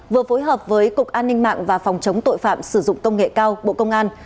vừa phối hợp với cục an ninh mạng và phòng chống tội phạm sử dụng công nghệ cao bộ công an